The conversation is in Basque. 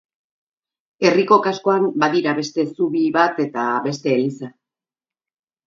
Herriko kaskoan badira beste zubi bat eta beste eliza.